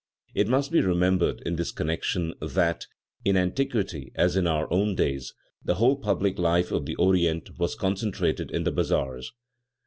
It must be remembered, in this connection, that in antiquity as in our own days the whole public life of the Orient was concentrated in the bazaars.